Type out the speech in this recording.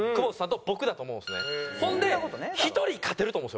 ほんで１人勝てると思うんですよ